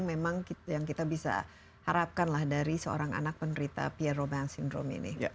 memang yang kita bisa harapkan lah dari seorang anak penderita pierre robin syndrome ini